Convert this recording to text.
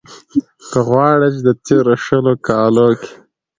که غواړۍ ،چې د تېرو شلو کالو کې